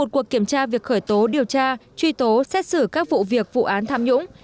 một cuộc kiểm tra việc khởi tố điều tra truy tố xét xử các vụ việc vụ án tham nhũng